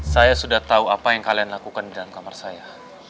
saya sudah tahu apa yang kalian lakukan di dalam kamar saya